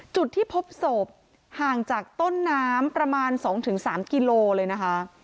จุดที่พบศพห่างจากต้นน้ำประมาณ๒๓กิโลเลยนะคะ